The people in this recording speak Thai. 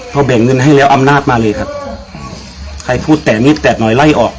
พอแบ่งเงินให้แล้วอำนาจมาเลยครับใครพูดแตะนิดแตะหน่อยไล่ออก